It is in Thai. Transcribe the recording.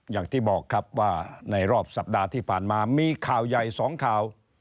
อย่างที่บอกครับว่าในรอบสัปดาห์ที่ผ่านมามีข่าวใหญ่สองข่าว